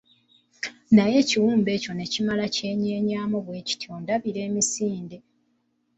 Naye ekiwumbe ekyo ne kimala kyenyeenyamu bwe kiti ondabira emisinde.